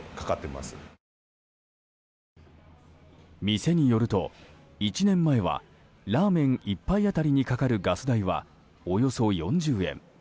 店によると１年前はラーメン１杯当たりにかかるガス代はおよそ４０円。